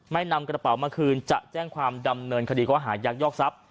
นำกระเป๋ามาคืนจะแจ้งความดำเนินคดีก็หายักยอกทรัพย